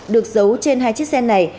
được giấu trên hai chiếc xe này